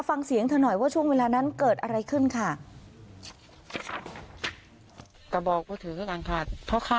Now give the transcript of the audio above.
ฟังเสียงเธอหน่อยว่าช่วงเวลานั้นเกิดอะไรขึ้นค่ะ